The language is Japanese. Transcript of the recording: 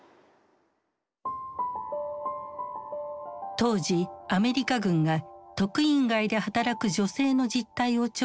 当時アメリカ軍が特飲街で働く女性の実態を調査した資料がある。